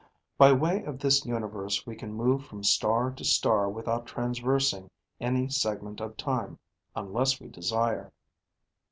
By way of this universe we can move from star to star without transversing any segment of time, unless we desire.